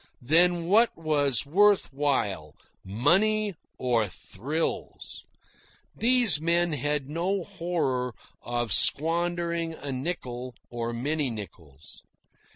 Then what was worth while money or thrills? These men had no horror of squandering a nickel, or many nickels.